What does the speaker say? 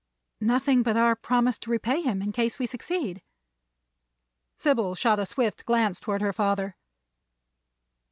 "Nothing but our promise to repay him in case we succeed." Sybil shot a swift glance toward her father.